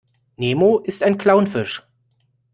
Nemo ist ein Clownfisch.